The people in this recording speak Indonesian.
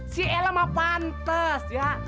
si ella mah pantes ya